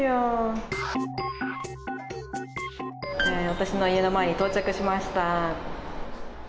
私の家の前に到着しました。